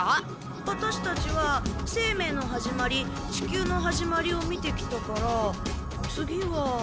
ワタシたちは生命のはじまり地球のはじまりを見てきたから次は。